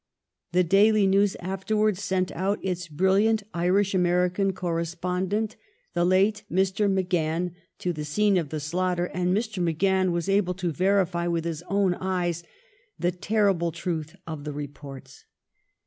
The " Daily News " afterward sent out its brilliant Irish American correspondent, the late Mr. MacGahan, to the scene of the slaughter, and Mr. MacGahan was able to verify with his own eyes the terrible truth of the reports.